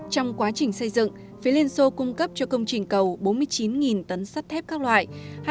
trong quá trình xây dựng phía liên xô cung cấp cho công trình cầu bốn mươi chín tấn sắt thép các loại